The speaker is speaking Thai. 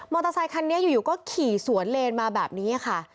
อเตอร์ไซคันนี้อยู่ก็ขี่สวนเลนมาแบบนี้ค่ะ